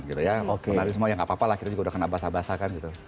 menarik semua ya nggak apa apa lah kita juga udah kena basah basah kan gitu